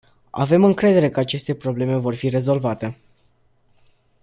Avem încredere că aceste probleme vor fi rezolvate.